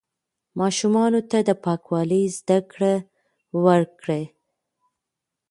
ماشومانو ته د پاکوالي زده کړه ورکړئ.